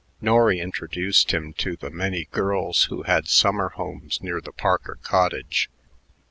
Norry introduced him to the many girls who had summer homes near the Parker cottage.